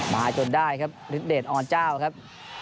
จนได้ครับฤทเดชอ่อนเจ้าครับ